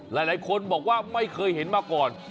หลายคนบอกว่าไม่เคยเห็นมาก่อน